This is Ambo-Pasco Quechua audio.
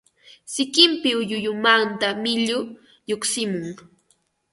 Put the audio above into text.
sikinpi ulluyunmanta miyu (wañuchikuq yaku) lluqsimun